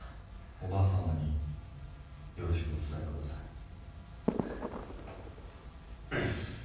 おばあ様によろしくお伝えください。